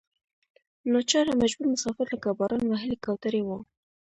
ناچاره مجبور مسافر لکه باران وهلې کوترې وو.